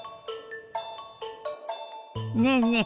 ねえねえ